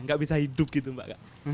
gak bisa hidup gitu mbak